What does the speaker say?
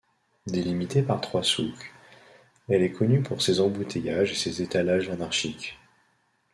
Délimitée par trois souks, elle est connue pour ses embouteillages et ses étalages anarchiques.